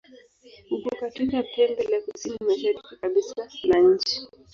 Uko katika pembe la kusini-mashariki kabisa la nchi.